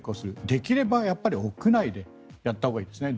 できれば屋内でやったほうがいいですね。